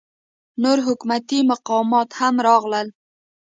نور حکومتي مقامات هم راغلل.